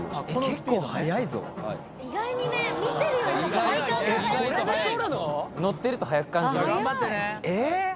結構速いぞ意外にね見てるよりも体感が速くて乗ってると速く感じるえっ！？